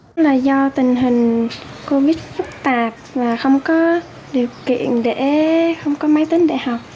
đó là do tình hình covid phức tạp và không có điều kiện để không có máy tính đại học